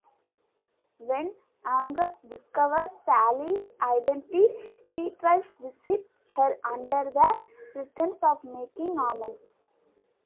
When Angus discovers Sally's identity, Beatrice visits her under the pretense of making amends.